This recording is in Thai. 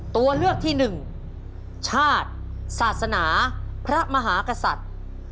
ตัวเลือกที่หนึ่งชาติศาสนาพระมหากษัตริย์